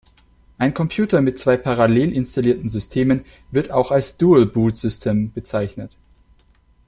Ein Computer mit zwei parallel installierten Systemen wird auch als Dual-Boot-System bezeichnet.